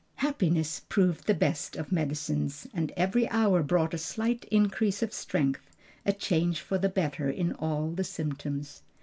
Happiness proved the best of medicines, and every hour brought a slight increase of strength, a change for the better in all the symptoms.